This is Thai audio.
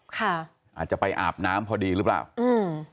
ค่ะอาจจะไปอาบน้ำพอดีหรือเปล่าอืม